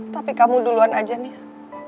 tapi kamu duluan aja nis